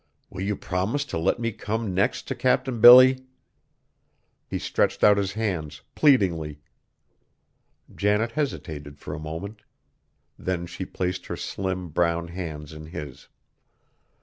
Will you promise to let me come next to Captain Billy?" He stretched out his hands, pleadingly. Janet hesitated for a moment, then she placed her slim, brown hands in his.